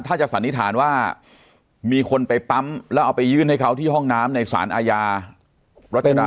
ถ้าจะสันนิษฐานว่ามีคนไปปั๊มแล้วเอาไปยื่นให้เขาที่ห้องน้ำในสารอาญารัฐนา